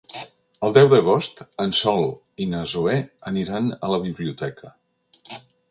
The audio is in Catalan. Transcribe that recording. El deu d'agost en Sol i na Zoè aniran a la biblioteca.